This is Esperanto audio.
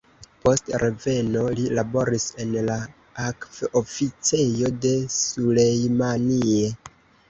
Post reveno, li laboris en la akv-oficejo de Sulejmanie.